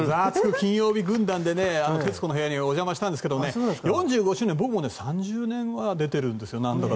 金曜日」軍団で「徹子の部屋」にお邪魔したんですが４５周年って、僕も３０年前に出ているんです。